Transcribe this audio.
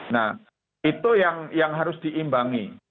nah itu yang harus diimbangi